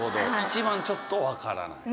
一番ちょっとわからない？